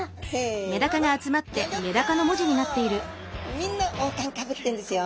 みんな王冠かぶってんですよ。